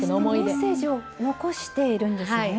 メッセージを残しているんですね。